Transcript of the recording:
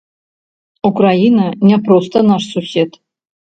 Украіна не проста наш сусед.